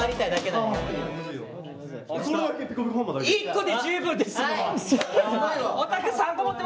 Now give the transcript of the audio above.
１個で十分ですもう。